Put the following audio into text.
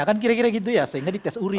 kan kira kira gitu ya sehingga dites uri